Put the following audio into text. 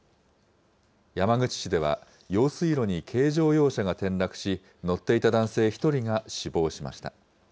山口市では、用水路に軽乗用車が転落し、乗っていた男性１人が死亡しました。